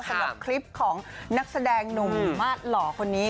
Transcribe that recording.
สำหรับคลิปของนักแสดงหนุ่มมาสหล่อคนนี้